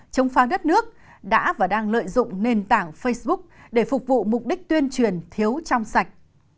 chống phá đất nước đã và đang lợi dụng nền tảng facebook để phục vụ mục đích tuyên truyền thiếu trong sạch